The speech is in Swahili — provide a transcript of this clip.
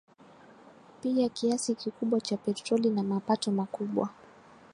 pia kiasi kikubwa cha petroli na mapato makubwa